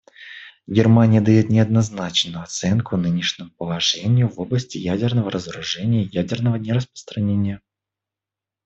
Германия дает неоднозначную оценку нынешнему положению в области ядерного разоружения и ядерного нераспространения.